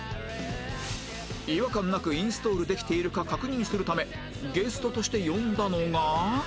違和感なくインストールできているか確認するためゲストとして呼んだのが